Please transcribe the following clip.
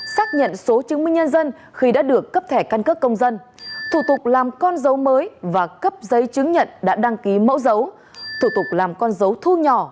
xác nhận số chứng minh nhân dân khi đã được cấp thẻ căn cước công dân thủ tục làm con dấu mới và cấp giấy chứng nhận đã đăng ký mẫu dấu thủ tục làm con dấu thu nhỏ